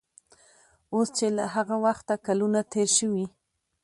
اوس چې له هغه وخته کلونه تېر شوي